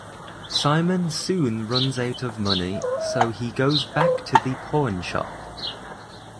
Simon soon runs out of money so he goes back to the pawn shop.